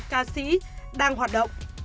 ca sĩ đang hoạt động